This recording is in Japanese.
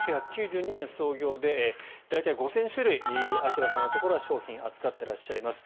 １９９２年創業で大体５０００種類秋葉さんのところは商品を扱っていらっしゃいます。